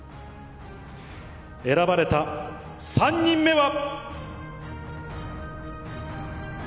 選ばれた３人目は。